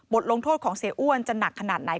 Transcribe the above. ลงโทษของเสียอ้วนจะหนักขนาดไหน